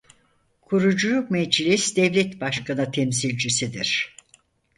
Kurucu Meclis Devlet Başkanı Temsilcisidir.